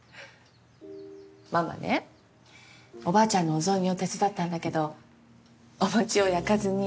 ママねおばあちゃんのお雑煮を手伝ったんだけどお餅を焼かずに。